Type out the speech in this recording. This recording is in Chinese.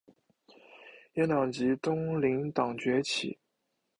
阉党及东林党崛起。